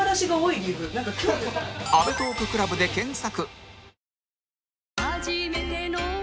「アメトーーク ＣＬＵＢ」で検索